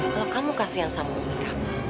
kalau kamu kasihan sama umikahmu